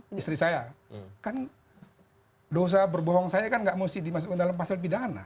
bagi istri saya dosa berbohong saya kan tidak harus dimasukkan dalam pasal pidana